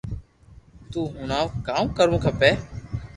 تو ھڻاو ڪاو ڪروو کپي